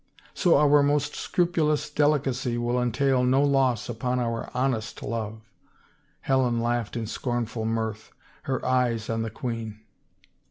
So our most scrupu lous delicacy will entail no loss upon our honest love." Helen laughed in scornful mirth, her eyes on the queen.